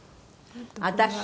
私？